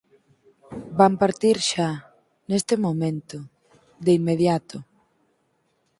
Van partir xa, neste momento, de inmediato.